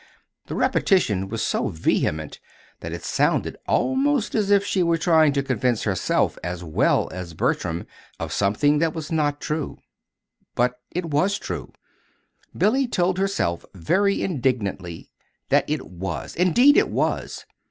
The repetition was so vehement that it sounded almost as if she were trying to convince herself as well as Bertram of something that was not true. But it was true Billy told herself very indignantly that it was; indeed it was!